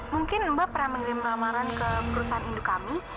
mungkin mbak pernah mengirim lamaran ke perusahaan induk kami